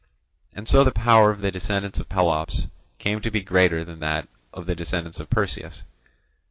And so the power of the descendants of Pelops came to be greater than that of the descendants of Perseus.